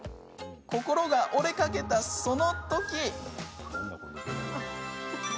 心が折れかけた、そのとき。